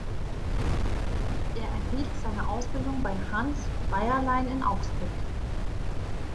Er erhielt seine Ausbildung bei Hans Beierlein in Augsburg.